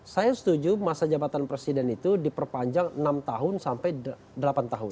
saya setuju masa jabatan presiden itu diperpanjang enam tahun sampai delapan tahun